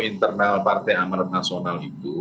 internal partai amarat nasional itu